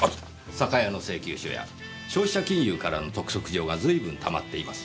酒屋の請求書や消費者金融からの督促状が随分たまっています。